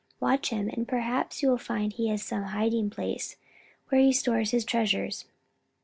Watch him, and perhaps you will find he has some hiding place where he stores his treasures."